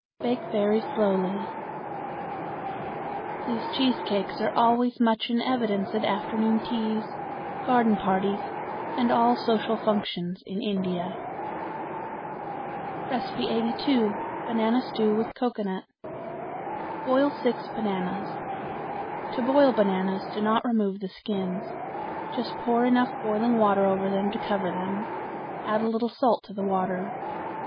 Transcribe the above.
Bake very slowly. These cheese cakes are always much in evidence at afternoon teas, garden parties, and all social functions in India. 82. Banana Stew with Cocoanut. Boil six bananas. To boil bananas do not remove the skins. Just pour enough boiling water over them to cover them. Add a little salt to the water.